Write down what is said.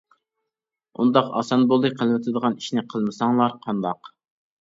ئۇنداق ئاسان بولدى قىلىۋېتىدىغان ئىشنى قىلمىساڭلار قانداق.